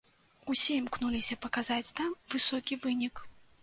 Усе імкнуліся паказаць там высокі вынік.